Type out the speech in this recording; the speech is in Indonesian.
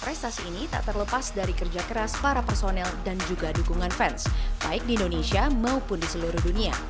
prestasi ini tak terlepas dari kerja keras para personel dan juga dukungan fans baik di indonesia maupun di seluruh dunia